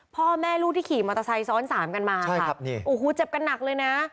พ่อแม่ลูกที่ขี่มอเตอร์ไซค์ซ้อนสามกันมาใช่ครับนี่โอ้โหเจ็บกันหนักเลยนะ